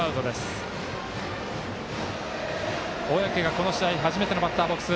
小宅が、この試合初めてのバッターボックス。